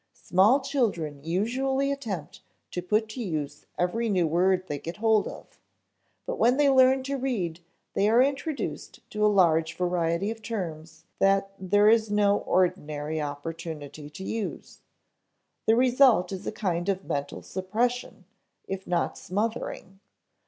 Small children usually attempt to put to use every new word they get hold of, but when they learn to read they are introduced to a large variety of terms that there is no ordinary opportunity to use. The result is a kind of mental suppression, if not smothering.